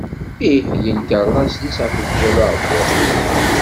Ih, yenker laṣel-is ɣef lǧal uɛebbuḍ-is.